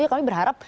ya kami berharap